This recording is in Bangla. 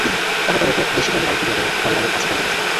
তাহার পরে রৌদ্র বেশি হইলে বাড়ি ফিরিয়া বেণু হরলালের কাছে পড়িতে বসিত।